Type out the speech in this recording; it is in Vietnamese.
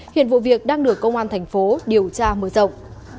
hiện vụ việc đang được công an thành phố điều tra mở rộng